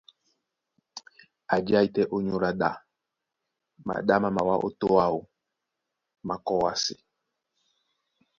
A jái tɛ́ ónyólá ɗá, maɗá má mawá ó tô áō, má kɔ́ ówásē.